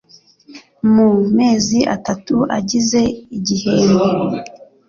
mu mezi atatu agize igihembwe,